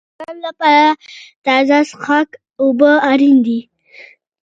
د غواګانو لپاره تازه څښاک اوبه اړین دي.